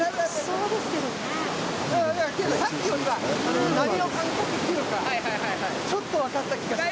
さっきよりは波の感覚っていうか、ちょっと分かった気がします。